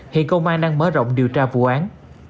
hiện công an đang mở rộng điều tra vụ án